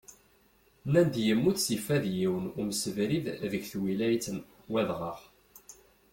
Nnan-d yemmut s fad yiwen umsebrid deg twilayt n Wadɣaɣ.